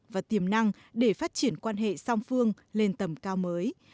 và tiềm năng để phát triển quan hệ song phương lên tầm cao mới